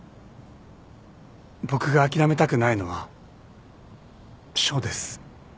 僕が諦めたくないのは翔です